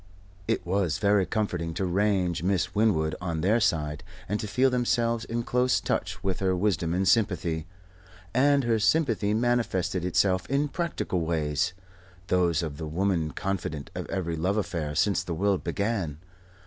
It was very comforting to range Miss Winwood on their side; and to feel themselves in close touch with her wisdom and sympathy. And her sympathy manifested itself in practical ways those of the woman confidante of every love affair since the world began.